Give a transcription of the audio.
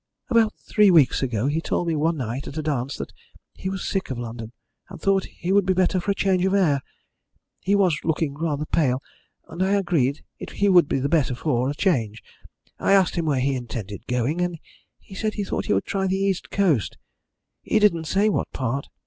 About three weeks ago he told me one night at a dance that he was sick of London, and thought he would be better for a change of air. He was looking rather pale, and I agreed he would be the better for a change. I asked him where he intended going, and he said he thought he would try the east coast he didn't say what part.